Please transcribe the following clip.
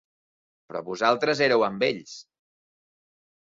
Però vosaltres éreu amb ells.